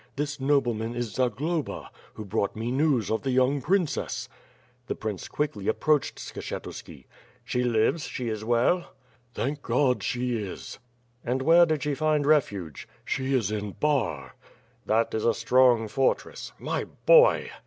This nobleman is Zagloba, who brought me news of the young princess." The prince quickly approached Skshetuski. "She lives; she is well?" 368 WITH FIRE AND SWORD. "Thank God she is/' "And where did she find refuge r^' "She is in Bar/' "That is a strong fortress. My boy!"